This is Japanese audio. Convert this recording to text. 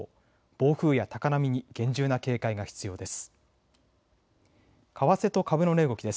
暴風や高波に厳重な警戒が必要です。